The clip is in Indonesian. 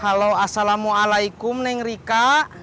halo assalamu'alaikum neng rika